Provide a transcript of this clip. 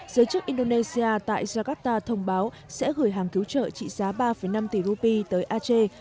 giới chức indonesia tại jakarta thông báo sẽ gửi hàng cứu trợ trị giá ba năm tỷ rupee tới ache